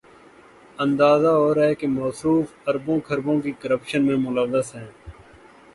اندازہ ہو رہا ہے کہ موصوف اربوں، کھربوں کی کرپشن میں ملوث ہیں۔